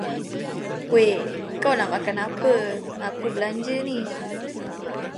Wei, kau nak makan apa aku belanja ni.